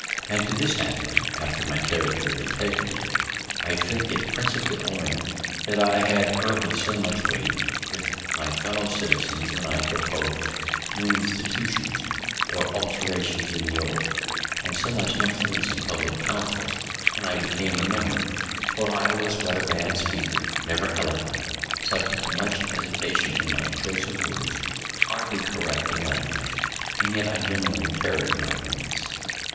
And to this habit (after my character of integrity) I think it principally owing that I had early so much weight with my fellow citizens when I proposed new institutions, or alterations in the old, and so much influence in public councils when I became a member; for I was but a bad speaker, never eloquent, subject to much hesitation in my choice of words, hardly correct in language, and yet I generally carried my points.